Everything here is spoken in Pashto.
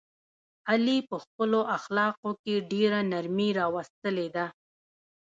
علي په خپلو اخلاقو کې ډېره نرمي راوستلې ده.